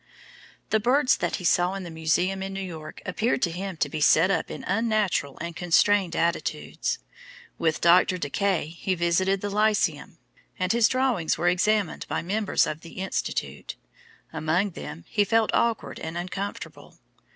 The birds that he saw in the museum in New York appeared to him to be set up in unnatural and constrained attitudes. With Dr. De Kay he visited the Lyceum, and his drawings were examined by members of the Institute. Among them he felt awkward and uncomfortable.